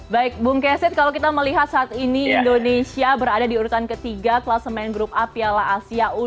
baik bung kesit kalau kita melihat saat ini indonesia berada di urutan ketiga kelasemen grup a piala asia u dua puluh